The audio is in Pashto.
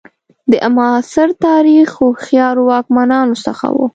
د معاصر تاریخ هوښیارو واکمنانو څخه وو.